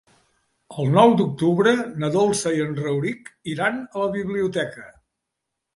El nou d'octubre na Dolça i en Rauric iran a la biblioteca.